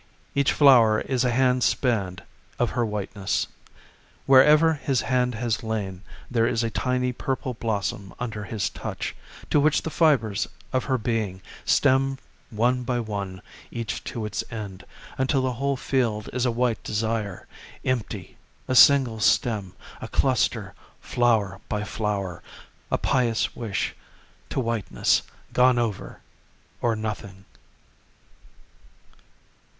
Each flower is a hand's span of her whiteness. Wherever his hand has lain there is a tiny purple blossom under his touch to which the fibres of her being stem one by one, each to its end, until the whole field is a white desire, empty, a single stem, a cluster, flower by flower, a pious wish to whiteness gone over or nothing.